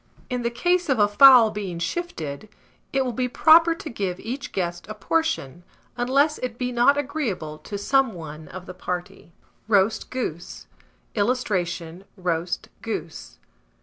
In the case of a fowl being shifted, it will be proper to give each guest a portion, unless it be not agreeable to some one of the party. ROAST GOOSE. [Illustration: ROAST GOOSE.